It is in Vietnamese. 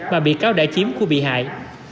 mà bị cáo đại chiếm của bị hại